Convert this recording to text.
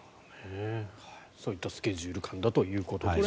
そういったスケジュール感ということです。